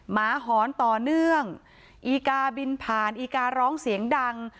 หมาหอนต่อเนื่องอีกาบินผ่านอีการ้องเสียงดัง